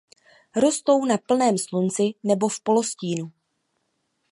Rostou na plném slunci nebo v polostínu.